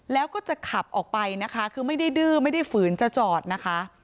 แล้วก็จะขับออกไปนะคะคือไม่ได้ดื้อไม่ได้ฝืนจะจอดนะคะ